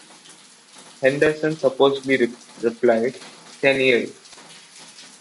Henderson supposedly replied, Ten years?